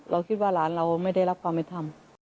เราคิดว่าหลานเราไม่ได้รับความไม่ทำ